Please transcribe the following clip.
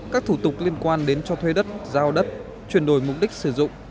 các thủ tục liên quan đến cho thuê đất giao đất chuyển đổi mục đích sử dụng